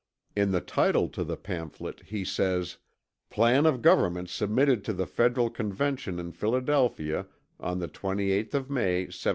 In the title to the pamphlet he says, "Plan of Government submitted to the Federal Convention in Philadelphia on the 28th of May 1787."